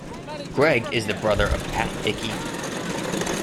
Greg is the brother of Pat Hickey.